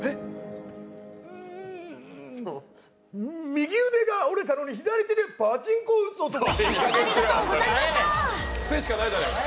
右腕が折れたので左手でパチンコを打つ男。